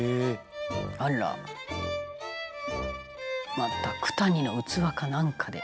「また九谷の器かなんかで」